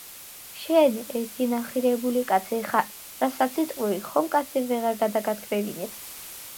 -შენ ერთინახირებული კაცი ხარ:რასაც იტყვი, ხომ კაცი ვეღარ გადაგათქმევინებს?!